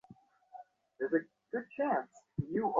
Wanda চলে গেছে।